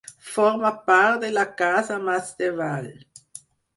Forma part de la casa Masdevall.